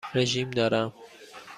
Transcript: رژیم دارم.